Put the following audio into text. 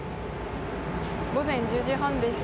午前１０時半です。